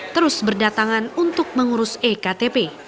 terus berdatangan untuk mengurus ektp